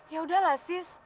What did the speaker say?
yaudah lah sis